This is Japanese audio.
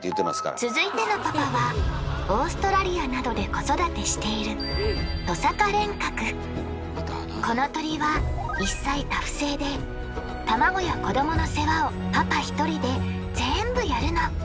続いてのパパはオーストラリアなどで子育てしているこの鳥は一妻多夫制でタマゴや子どもの世話をパパひとりで全部やるの。